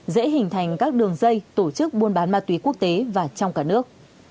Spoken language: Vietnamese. dễ hình thành các đường dây tổ chức buôn bán ma túy quốc tế và trong cả nước